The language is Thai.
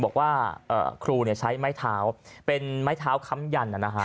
บอกว่าครูใช้ไม้เท้าเป็นไม้เท้าค้ำยัน